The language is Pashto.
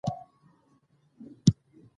ماشوم نوې تجربه په خوښۍ ومنله